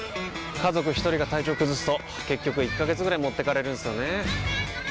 家族一人が体調崩すと結局１ヶ月ぐらい持ってかれるんすよねー。